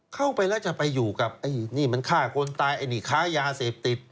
เข้าไปแล้วจะไปอยู่กับไอ้นี่มันฆ่าคนตายไอ้นี่ค้ายาเสพติด